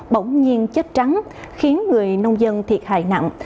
bỗng nhiên chết trắng khiến người nông dân thiệt hại nặng